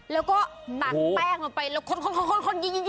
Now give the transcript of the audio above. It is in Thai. แล้วก็หนักแป้งมันไปแล้วคล้น